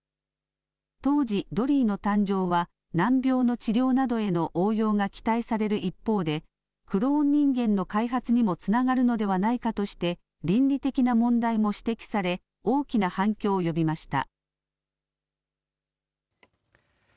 当時、ドリーの誕生は難病の治療などへの応用が期待される一方でクローン人間の開発にもつながるのではないかとして倫理的な問題も指摘され大きな反響を呼びました。